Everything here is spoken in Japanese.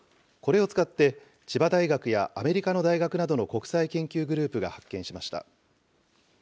これを使って、千葉大学やアメリカの大学などの国際研究グループが発見しました。